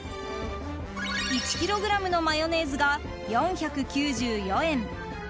１ｋｇのマヨネーズが４９４円。